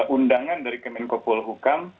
undangan dari kemenko polhukam